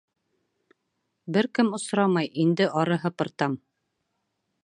Бер кем осрамай — инде ары һыпыртам.